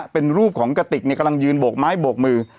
เป็นรูปของกระติกกำลังยืนโบกไม้โบกมือ